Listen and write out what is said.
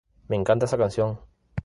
Me encanta esa canción".